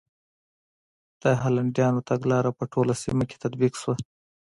د هالنډیانو تګلاره په ټوله سیمه کې تطبیق شوه.